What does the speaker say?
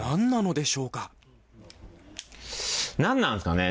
なんなんですかね。